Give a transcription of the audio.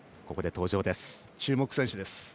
ここで登場です。